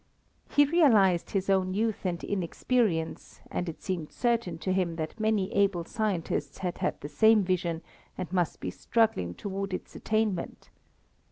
He realized his own youth and inexperience, and it seemed certain to him that many able scientists had had the same vision and must be struggling toward its attainment.